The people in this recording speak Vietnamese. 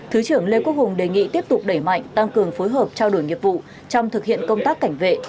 thứ trưởng lê quốc hùng đề nghị tiếp tục đẩy mạnh tăng cường phối hợp trao đổi nghiệp vụ trong thực hiện công tác cảnh vệ